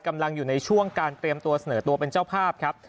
กำลังอยู่ในช่วงการเตรียมตัวเสนอตัวเป็นเจ้าภาพครับ